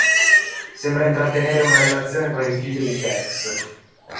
Sembra intrattenere una relazione con il figlio di Tex.